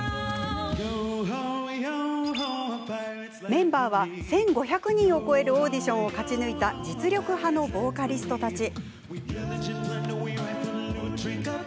メンバーは１５００人を超えるオーディションを勝ち抜いた実力派のボーカリストたち。